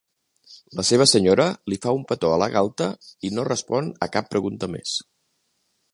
La seva senyora li fa un petó a la galta i no respon a cap pregunta més.